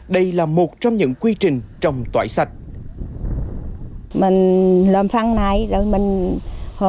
đây là một trong những quy trình trồng trọi sạch